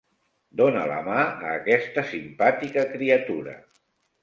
Dona la mà a aquesta simpàtica criatura.